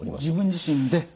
自分自身で。